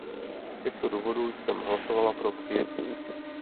Z těchto důvodů jsem hlasovala pro přijetí.